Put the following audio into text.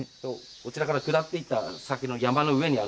こちらから下っていった先の山の上にあるんですけども。